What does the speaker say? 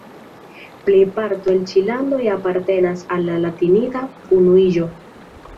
Plejparto el ĉi landoj apartenas al la Latinida Unuiĝo.